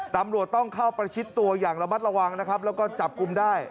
ตำรวจต้องเข้าประชิดตัวอย่างระมัดระวังนะครับแล้วก็จับกลุ่มได้